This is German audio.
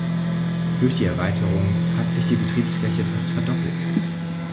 Durch die Erweiterung hat sich die Betriebsfläche fast verdoppelt.